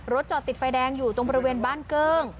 จอดติดไฟแดงอยู่ตรงบริเวณบ้านเกิ้ง